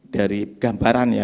dari gambaran ya